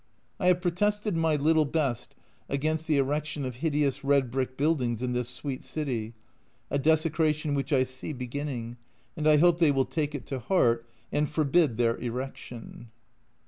I have protested my little best against the erection of hideous red brick buildings in this sweet city, a desecration which I see beginning, and I hope they will take it to heart, and forbid their erection.